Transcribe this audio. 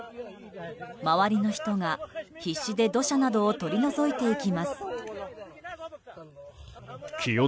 周りの人が必死で土砂などを取り除いていきます。